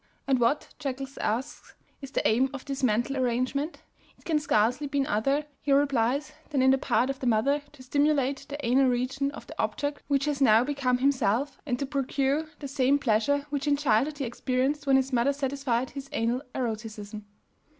And what, Jekels asks, is the aim of this mental arrangement? It can scarcely by other, he replies, than in the part of the mother to stimulate the anal region of the object which has now become himself, and to procure the same pleasure which in childhood he experienced when his mother satisfied his anal eroticism.